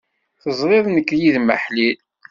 Teẓriḍ nekk yid-m aḥlil.